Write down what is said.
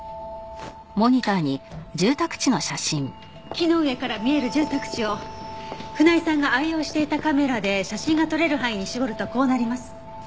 木の上から見える住宅地を船井さんが愛用していたカメラで写真が撮れる範囲に絞るとこうなります。